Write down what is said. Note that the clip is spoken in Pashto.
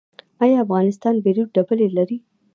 آیا افغانستان بیروج ډبرې لري؟